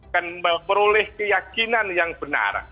memperoleh keyakinan yang benar